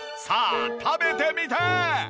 さあ食べてみて！